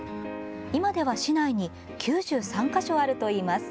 今では市内に９３か所あるといいます。